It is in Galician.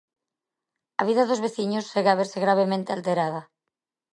A vida dos veciños segue a verse gravemente alterada.